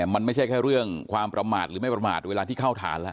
มันไม่ใช่แค่เรื่องความประมาทหรือไม่ประมาทเวลาที่เข้าฐานแล้ว